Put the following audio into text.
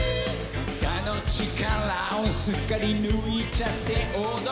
「肩の力をすっかり抜いちゃって踊ろう」